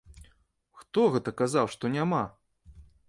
Хто гэта казаў, што няма?!